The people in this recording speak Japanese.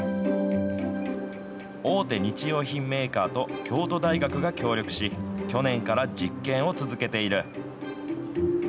大手日用品メーカーと京都大学が協力し、去年から実験を続けている。